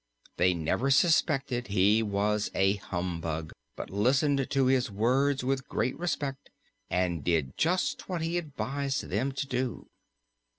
They never suspected he was a humbug, but listened to his words with great respect and did just what he advised them to do.